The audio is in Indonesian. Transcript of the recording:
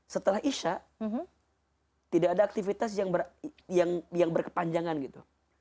setelah isya tidak ada aktivitas yang berkepanjangan gitu